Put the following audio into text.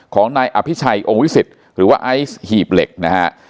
ของนายอภิชัยองค์วิสิตหรือว่าไอซ์หีบเหล็กนะฮะ